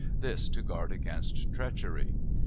This to guard against treachery.